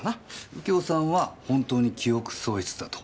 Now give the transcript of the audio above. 右京さんは本当に記憶喪失だと？